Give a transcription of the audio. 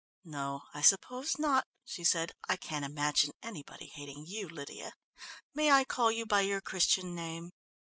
"No, I suppose not," she said. "I can't imagine anybody hating you, Lydia. May I call you by your Christian name?"